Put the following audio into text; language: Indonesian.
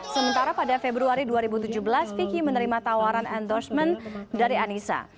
sementara pada februari dua ribu tujuh belas vicky menerima tawaran endorsement dari anissa